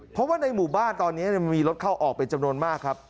เพราะว่าในหมู่บ้านตอนนี้มีรถเข้าออกเป็นจำนวนมากครับ